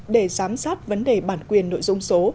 để giám sát vấn đề bản quyền nội dung số